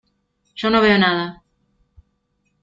Yo no veo nada.